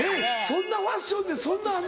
そんなファッションでそんなあんの？